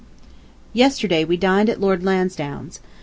Yesterday we dined at Lord Lansdowne's.